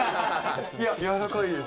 いややわらかいです